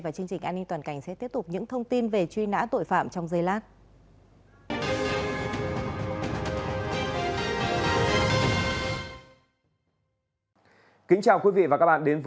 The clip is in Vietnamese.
và chương trình an ninh toàn cảnh sẽ tiếp tục những thông tin về truy nã tội phạm trong giây lát